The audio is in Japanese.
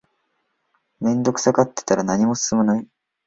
面倒くさがってたら何も進まない